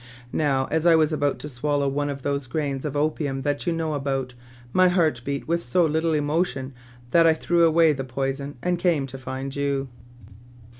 Now, as I was about to swallow one of those grains of opium that you know about, my heart beat with so little emotion that I threw away the poison, and came to find you."